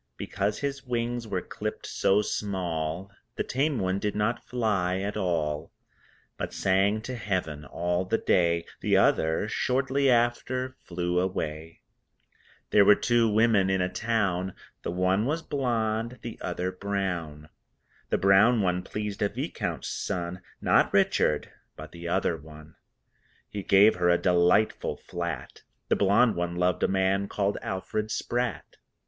Because his wings were clipped so small The tame one did not fly at all, But sang to Heaven all the day The other (shortly after) flew away. There were two women in a town, The one was blonde, the other brown. The brown one pleased a Viscount's son (Not Richard, but the other one) He gave her a delightful flat The blonde one loved a man called Alfred Spratt.